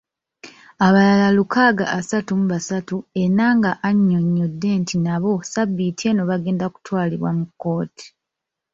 Abalala lukaaga asatu mu basatu, Enanga annyonnyodde nti nabo ssabbiiti eno bagenda kutwalibwa mu kkooti.